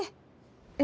え？